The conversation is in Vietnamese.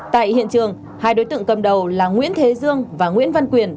tại hiện trường hai đối tượng cầm đầu là nguyễn thế dương và nguyễn văn quyền